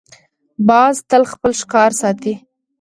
باز تل خپل ښکار ساتي